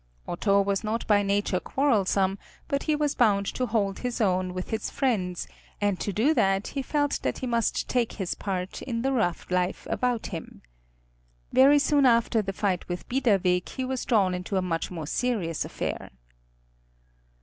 Otto was not by nature quarrelsome, but he was bound to hold his own with his friends, and to do that he felt that he must take his part in the rough life about him. Very soon after the fight with Biederwig he was drawn into a much more serious affair.